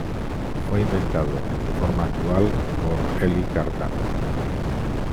Fue inventado, en su forma actual, por Élie Cartan.